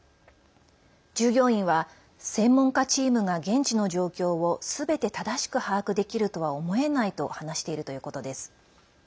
従業員は専門家チームが現地の状況をすべて正しく把握できるとは思えないと話しているということです。